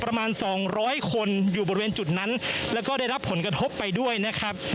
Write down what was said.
ประมาณสองร้อยคนอยู่บริเวณจุดนั้นแล้วก็ได้รับผลกระทบไปด้วยนะครับ